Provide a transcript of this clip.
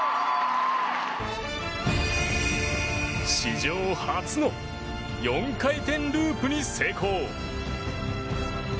史上初の４回転ループに成功。